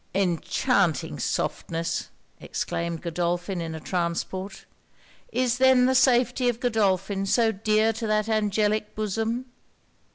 'Enchanting softness!' exclaimed Godolphin in a transport 'Is then the safety of Godolphin so dear to that angelic bosom?'